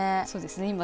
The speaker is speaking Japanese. そうですね